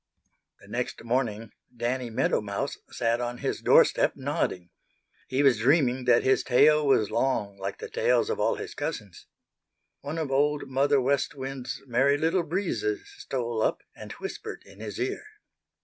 The next morning Danny Meadow Mouse sat on his doorstep nodding. He was dreaming that his tail was long like the tails of all his cousins. One of Old Mother West Wind's Merry Little Breezes stole up and whispered in his ear.